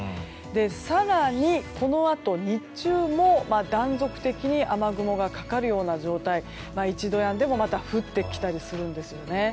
更に、このあと日中も断続的に雨雲がかかるような状態で一度やんでもまた降ってきたりするんですね。